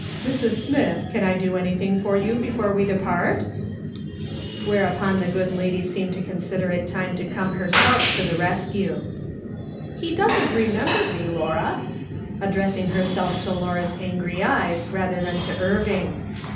Mrs. Smith, can I do anything for you before we depart ?" Whereupon the good lady seemed to consider it time to come herself to the rescue. " He doesn't remember me, Laura," addressing her self to Laura's angry eyes rather than to Irving.